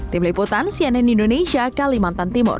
tim liputan cnn indonesia kalimantan timur